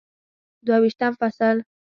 دوه ویشتم فصل